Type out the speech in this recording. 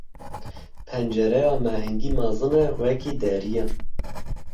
Pencereya me hingî mezin e wekî derî ye.